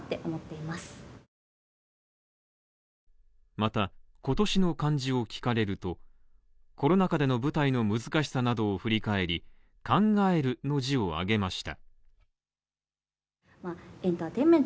また、今年の漢字を聞かれると、コロナ禍での舞台の難しさなどを振り返り「考」の字を挙げました。